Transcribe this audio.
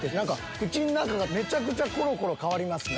口の中がめちゃくちゃコロコロ変わりますね。